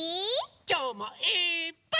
きょうもいっぱい。